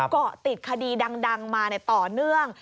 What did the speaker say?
ก็ติดคดีดังมาในต่อเนื่อง